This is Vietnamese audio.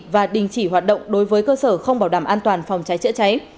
và đình chỉ hoạt động đối với cơ sở không bảo đảm an toàn phòng cháy chữa cháy